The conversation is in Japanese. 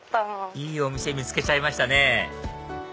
いいお店見つけちゃいましたね